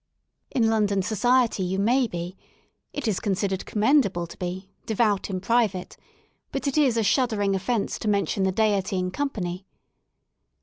In London society you may be — it is considered commendable to bp — devout in private, but it is a shuddering offence to mention the Deity in company.